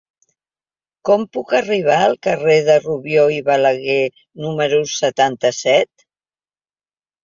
Com puc arribar al carrer de Rubió i Balaguer número setanta-set?